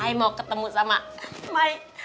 ai mau ketemu sama my